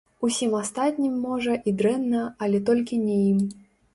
Усім астатнім, можа, і дрэнна, але толькі не ім.